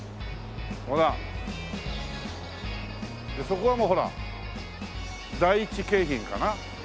そこはもうほら第一京浜かな？